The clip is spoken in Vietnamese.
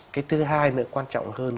cái thứ hai nữa quan trọng hơn